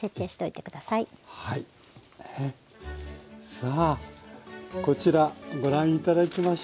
さあこちらご覧頂きましょう。